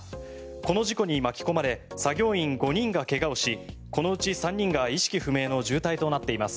この事故に巻き込まれ作業員５人が怪我をしこのうち３人が意識不明の重体となっています。